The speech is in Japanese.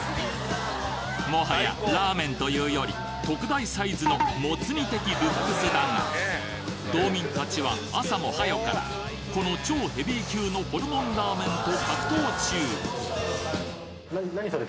もはやラーメンというより特大サイズのモツ煮的ルックスだが道民たちは朝もはよからこの超ヘビー級のホルモンラーメンと格闘中